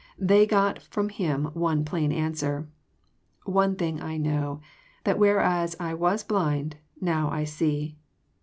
They only got from him one plain answer: *• One thing I know, that whereas I was blind, now I see.